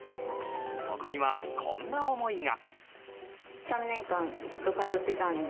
そこには、こんな思いが。